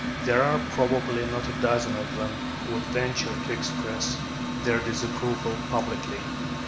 There are probably not a dozen of them who would venture to express their disapproval publicly.